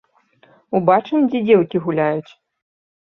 Убачым, дзе дзеўкі гуляюць.